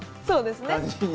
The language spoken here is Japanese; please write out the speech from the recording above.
そうですね。